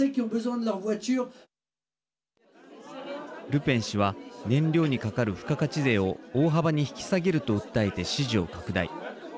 ルペン氏は燃料にかかる付加価値税を大幅に引き下げると訴えて支持を拡大。